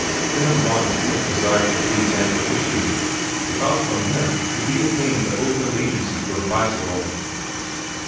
Him Von Schmidt desired to please and propitiate because from him could be obtained the Oakland agency for the bicycle.